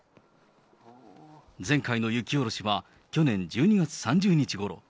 前回の雪下ろしは、去年１２月３０日ごろ。